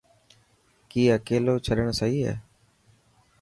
ڪي اڪيلو ڇڏڻ سهي هي؟